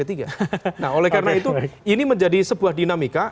nah oleh karena itu ini menjadi sebuah dinamika